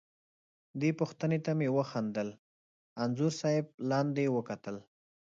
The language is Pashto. دې پوښتنې ته مې وخندل، انځور صاحب لاندې وکتل.